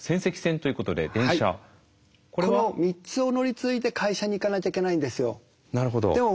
この３つを乗り継いで会社に行かなきゃいけないんですよ。